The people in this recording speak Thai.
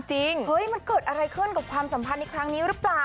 เฮ้ยมันเกิดอะไรขึ้นกับความสัมพันธ์ในครั้งนี้หรือเปล่า